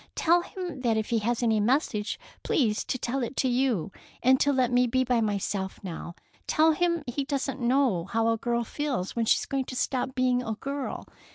Tell him that if he has any message, please to tell it to you, and to let me be by myself now. Tell him he doesn't know how a girl feels when she is going to stop being a girl.